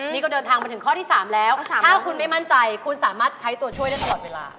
นี่ก็เดินทางมาถึงข้อที่๓แล้วถ้าคุณไม่มั่นใจคุณสามารถใช้ตัวช่วยได้ตลอดเวลา